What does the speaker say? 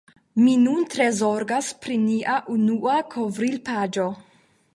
Mi nun tre zorgas pri nia unua kovrilpaĝo.